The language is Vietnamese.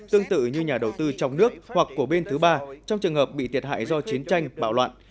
tương tự như nhà đầu tư trong nước hoặc của bên thứ ba trong trường hợp bị thiệt hại do chiến tranh bạo loạn